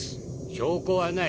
証拠はない。